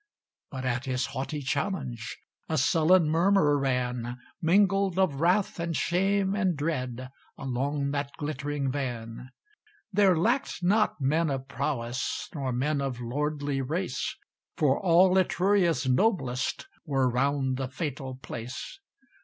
But at his haughty challenge A sullen murmur ran, Mingled of wrath and shame and dread, Along that glittering van. There lacked not men of prowess, Nor men of lordly race; For all Etruria's noblest Were round the fatal place.